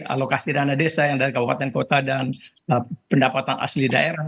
alokasi dana desa yang dari kabupaten kota dan pendapatan asli daerah